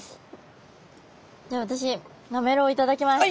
では私なめろういただきます。